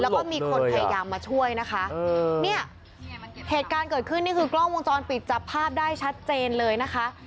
แล้วก็มีคนพยายามมาช่วยนะคะเนี่ยเหตุการณ์เกิดขึ้นนี่คือกล้องวงจรปิดจับภาพได้ชัดเจนเลยนะคะ